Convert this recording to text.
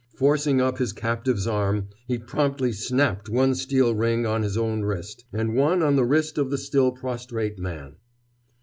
Forcing up his captive's arm, he promptly snapped one steel wring on his own wrist, and one on the wrist of the still prostrate man.